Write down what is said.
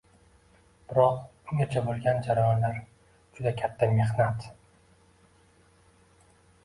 Biroq ungacha bo‘lgan jarayonlar juda katta mehnat.